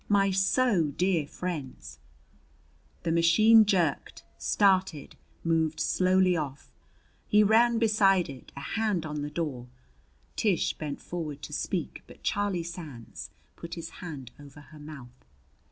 My so dear friends " The machine jerked, started, moved slowly off. He ran beside it, a hand on the door. Tish bent forward to speak, but Charlie Sands put his hand over her mouth.